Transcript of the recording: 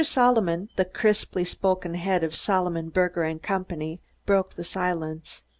Solomon, the crisply spoken head of Solomon, Berger and Company, broke the silence.